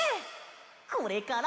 これから。